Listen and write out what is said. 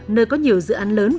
nơi có nhiều dự án lớn